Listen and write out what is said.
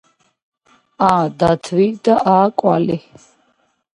ა დათვი და ა, კვალი!